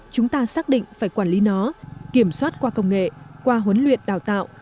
chúng ta xác định phải quản lý nó kiểm soát qua công nghệ qua huấn luyện đào tạo